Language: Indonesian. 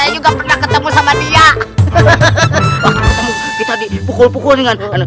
waktu ketemu kita dipukul pukul dengan